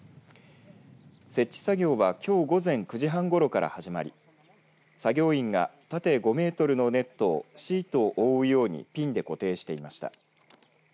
設置作業はきょう午前９時半ごろから始まり作業員が縦５メートルのネットをシートを覆うようにピンで固定していました。